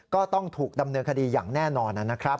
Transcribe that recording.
ก็ต้องถูกดำเนินคดีอย่างแน่นอนนะครับ